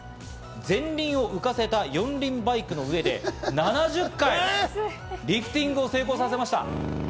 前輪を浮かせた四輪バイクの上で７０回リフティングを成功させました。